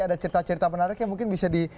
ada cerita cerita menarik yang mungkin bisa di